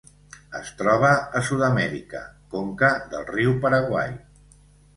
Es troba a Sud-amèrica: conca del riu Paraguai.